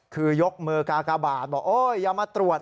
คือยกมือกากบาทบอกโอ๊ยอย่ามาตรวจ